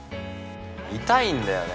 痛いんだよね